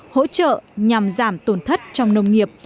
hỗ trợ nhằm giảm tổn thất trong nông nghiệp